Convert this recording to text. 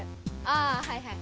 あはいはい。